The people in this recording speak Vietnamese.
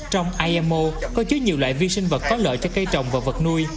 trong imo có chứa nhiều loại vi sinh vật có lợi cho cây trồng và vật nuôi